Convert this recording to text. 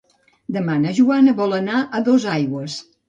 Demà na Joana vol anar a Dosaigües.